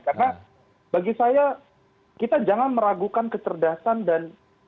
karena bagi saya kita jangan meragukan kecerdasan dan